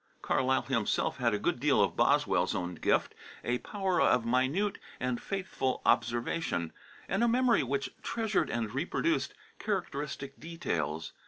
Carlyle himself had a good deal of Boswell's own gift, a power of minute and faithful observation, and a memory which treasured and reproduced characteristic details.